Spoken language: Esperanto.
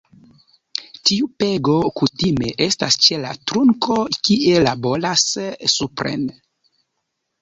Tiu pego kutime estas ĉe la trunko, kie laboras supren.